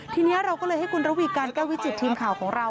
ทีนี้เราก็เลยให้คุณระวีการแก้ววิจิตทีมข่าวของเรา